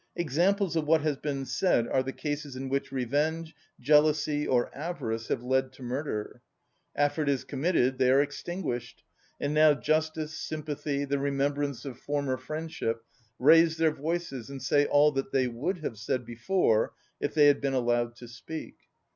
Examples of what has been said are the cases in which revenge, jealousy, or avarice have led to murder. After it is committed they are extinguished, and now justice, sympathy, the remembrance of former friendship, raise their voices and say all that they would have said before if they had been allowed to speak.